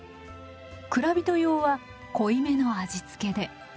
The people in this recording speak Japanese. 蔵人用は濃いめの味付けで。